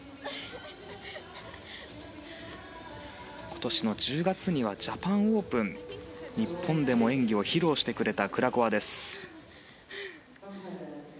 今年の１０月にはジャパンオープンで日本でも演技を披露してくれたクラコワです。